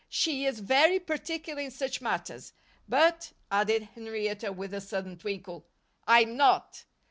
She is very particular in such matters. But," added Henrietta, with a sudden twinkle, "I'm not.